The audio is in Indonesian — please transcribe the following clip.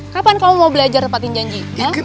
kapan kamu mau belajar nepetin janji